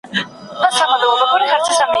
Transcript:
پر ما لمبې د بېلتانه د ده په خوله تېرېږي